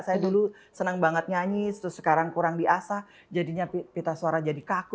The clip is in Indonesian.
saya dulu senang banget nyanyi terus sekarang kurang diasah jadinya pita suara jadi kaku